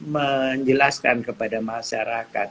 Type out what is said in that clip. menjelaskan kepada masyarakat